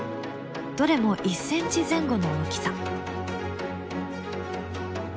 どれも１ｃｍ前後の大きさ。